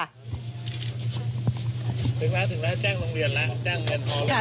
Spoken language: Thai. ถึงแล้วแจ้งโรงเรียนแล้ว